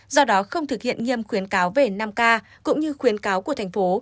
do đó không thực hiện nghiêm khuyến cáo về năm k cũng như khuyến cáo của thành phố